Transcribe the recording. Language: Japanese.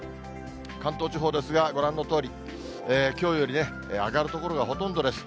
関東地方ですが、ご覧のとおり、きょうよりね、上がる所がほとんどです。